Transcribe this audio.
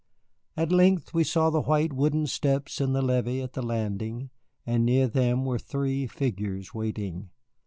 At length we saw the white wooden steps in the levee at the landing, and near them were three figures waiting.